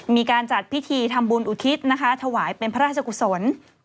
มีการจัดพิธีทำบุญอุทิศนะคะถวายเป็นพระราชกุศล